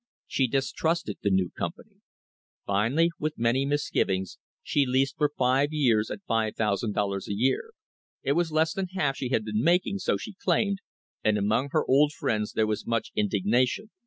She distrusted the new company. Finally with many misgivings she leased for five years at $5,000 a year. It was less than half she had been making, so she claimed, and among her old friends there was much indigna tion.